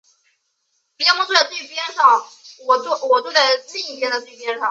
魏长城是中国战国时期魏国所兴建的长城。